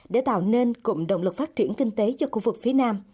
để tạo nên cụm động lực phát triển kinh tế cho khu vực phía nam